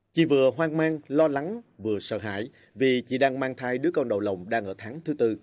chị vừa hoang mang lo lắng vừa sợ hãi vì chị đang mang thai đứa con đầu lòng đang ở tháng thứ tư